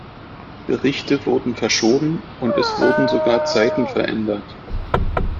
Berichte wurden verschoben, und es wurden sogar Zeiten verändert.